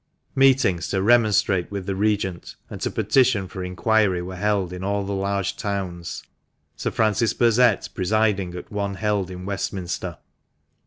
Meetings to remonstrate with the Regent and to petition for inquiry were held in all the large towns, Sir Francis Burdett presiding at one held in Westminster.